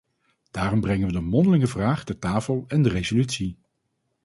Daarom brengen we de mondelinge vraag ter tafel en de resolutie.